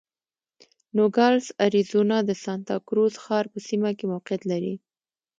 نوګالس اریزونا د سانتا کروز ښار په سیمه کې موقعیت لري.